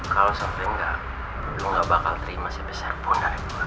kalau sampai enggak lu gak bakal terima sebesarpun dari gua